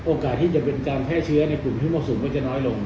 โอกาสที่จะเป็นการแพร่เชื้อในกลุ่มที่เหมาะสมก็จะน้อยลง